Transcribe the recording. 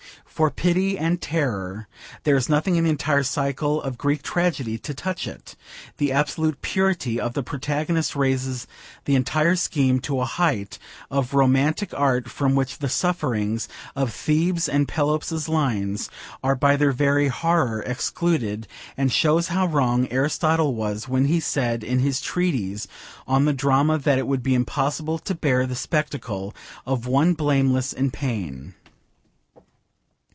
For 'pity and terror' there is nothing in the entire cycle of Greek tragedy to touch it. The absolute purity of the protagonist raises the entire scheme to a height of romantic art from which the sufferings of Thebes and Pelops' line are by their very horror excluded, and shows how wrong Aristotle was when he said in his treatise on the drama that it would be impossible to bear the spectacle of one blameless in pain.